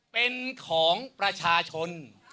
เป็นของประชาชน